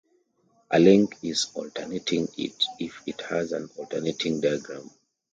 A link is alternating if it has an alternating diagram.